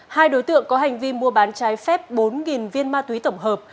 hai đối tượng có hành vi mua bán trái phép bốn viên ma túy tổng hợp